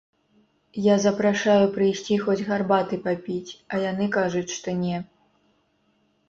Я запрашаю прыйсці хоць гарбаты папіць, а яны кажуць, што не.